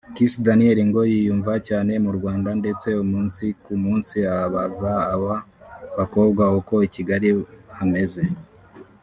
Kiss Daniel ngo yiyumva cyane mu Rwanda ndetse umunsi ku munsi abaza aba bakobwa uko i Kigali hameze